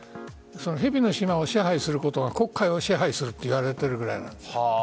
蛇の島を支配することが黒海を支配するといわれているくらいなんです。